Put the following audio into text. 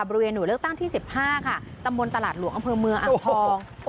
หน่วยเลือกตั้งที่๑๕ค่ะตำบลตลาดหลวงอำเภอเมืองอ่างทอง